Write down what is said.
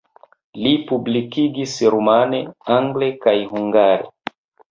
Li publikigis rumane, angle kaj hungare.